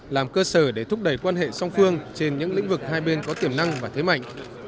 làm cơ sở để thúc đẩy quan hệ song phương trên những lĩnh vực hai bên có tiềm năng và thế mạnh